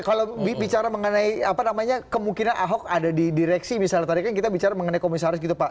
jadi bicara mengenai apa namanya kemungkinan ahok ada di direksi misalnya tadi kan kita bicara mengenai komisaris gitu pak